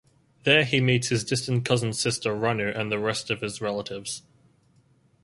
There he meets his distant cousin sister Ranu and the rest of his relatives.